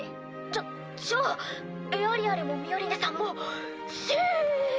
じゃじゃあエアリアルもミオリネさんもセーフ。